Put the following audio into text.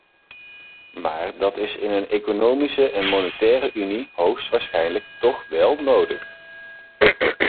Maar dat is in een economische en monetaire unie hoogstwaarschijnlijk toch wel nodig.